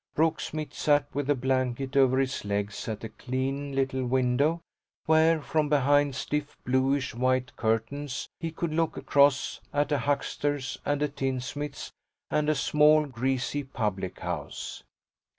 Brooksmith sat with a blanket over his legs at a clean little window where, from behind stiff bluish white curtains, he could look across at a huckster's and a tinsmith's and a small greasy public house.